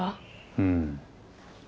うん。